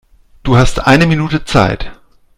Du hast eine Minute Zeit.